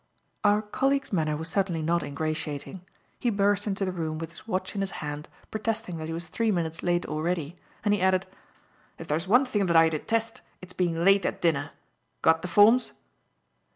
Our colleague's manner was certainly not ingratiating. He burst into the room with his watch in his hand protesting that he was three minutes late already, and, he added, "if there is one thing that I detest, it's being late at dinner. Got the forms?"